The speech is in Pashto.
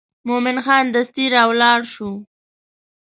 مومن خان دستي راولاړ شو.